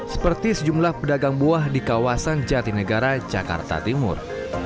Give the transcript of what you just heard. seperti sejumlah pedagang buah di kawasan jatinegara jakarta timur